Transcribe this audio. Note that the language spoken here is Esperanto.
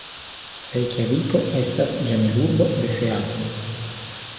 Rejkjaviko estas ĝemelurbo de Seatlo.